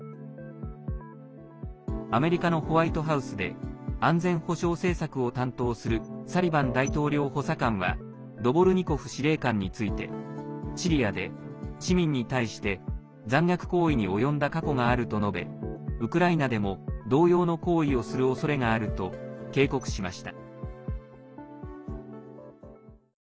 アメリカのホワイトハウスで安全保障政策を担当するサリバン大統領補佐官はドボルニコフ司令官についてシリアで市民に対して残虐行為に及んだ過去があると述べウクライナでも同様の行為をするおそれがあると警告しました。